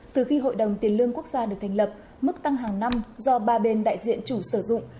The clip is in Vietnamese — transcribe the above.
từ khi hội đồng tiền lương quốc gia được thành lập mức tăng hàng năm do ba bên đại diện chủ sử dụng